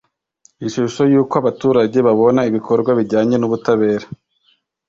ishusho y’uko abaturage babona ibikorwa bijyanye n’ubutabera